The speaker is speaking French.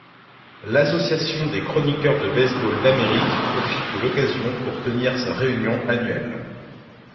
L'Association des chroniqueurs de baseball d'Amérique profite de l'occasion pour tenir sa réunion annuelle.